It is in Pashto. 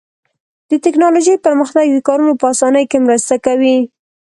د تکنالوژۍ پرمختګ د کارونو په آسانۍ کې مرسته کوي.